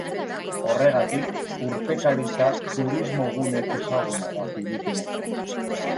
Horregatik, urpekaritza turismo-gune ezaguna da Filipinetan.